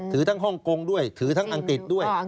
ถือทั้งฮ่องกงด้วยถือทั้งอังกฤษด้วย